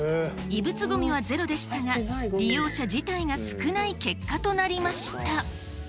異物ゴミはゼロでしたが利用者自体が少ない結果となりました。